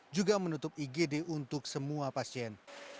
juga menutup igd untuk semua pasien